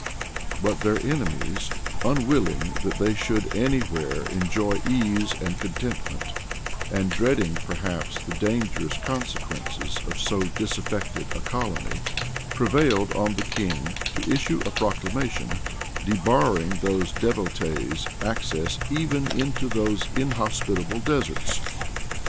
But their enemies, unwilling that they should any where enjoy ease and contentment, and dreading, perhaps, the dangerous consequences of so disaffected a colony, prevailed on the king to issue a proclamation, debarring these devotees access even into those inhospitable deserts.